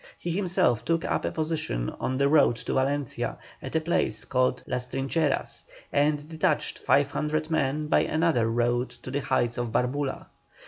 He himself took up a position on the road to Valencia at a place called Las Trincheras, and detached 500 men by another road to the heights of Barbula.